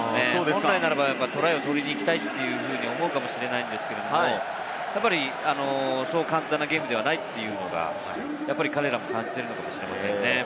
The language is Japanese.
本来ならばトライを取りに行きたいというふうに思うかもしれないですけれども、そう簡単なゲームではないっていうのが、彼らも感じているのかもしれませんね。